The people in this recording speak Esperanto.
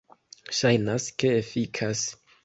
Ŝajnas ke efikas.